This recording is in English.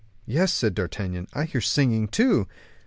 "Yes," said D'Artagnan, "I hear singing too."